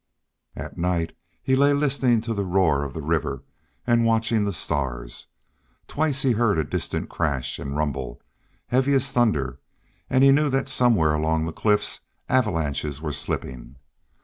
At night he lay listening to the roar of the river, and watching the stars. Twice he heard a distant crash and rumble, heavy as thunder, and he knew that somewhere along the cliffs avalanches were slipping.